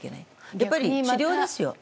やっぱり治療法ですよ。